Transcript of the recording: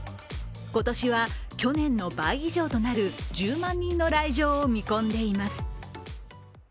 今年は去年の倍以上となる１０万人の来場を見込んでいます。